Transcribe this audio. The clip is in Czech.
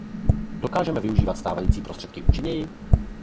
Dokážeme využívat stávající prostředky účinněji?